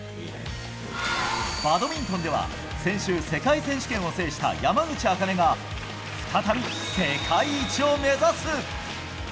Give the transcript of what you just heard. バドミントンでは、先週、世界選手権を制した山口茜が、再び世界一を目指す。